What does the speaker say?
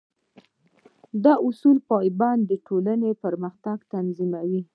د اصولو پابندي د ټولنې پرمختګ تضمینوي.